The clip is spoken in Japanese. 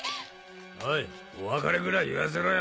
おいお別れぐらい言わせろよ。